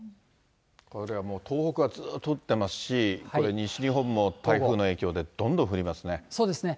これはもう東北はずっと降ってますし、これ、西日本も台風の影響でどんどん降りますね。